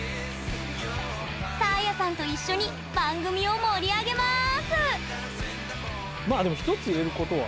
サーヤさんと一緒に番組を盛り上げます。